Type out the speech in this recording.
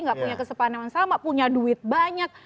gak punya kesepanaman sama punya duit banyak